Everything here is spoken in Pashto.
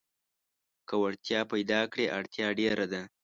که وړتيا پيداکړې اړتيا ډېره ده.